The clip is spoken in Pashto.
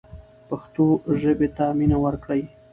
پښتو ژبې ته مینه ورکړئ.